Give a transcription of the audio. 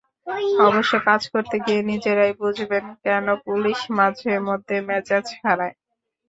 অবশ্য কাজ করতে গিয়ে নিজেরাই বুঝবেন, কেন পুলিশ মাঝেমধ্যে মেজাজ হারায়।